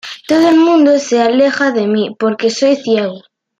Todo el mundo se aleja de mí porque soy ciego.